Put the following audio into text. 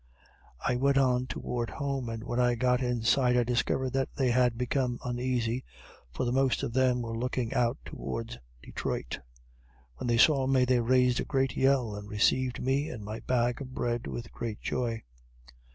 I went on toward home, and when I got in sight I discovered that they had become uneasy, for the most of them were looking out towards Detroit. When they saw me they raised a great yell, and received me and my bag of bread with great joy.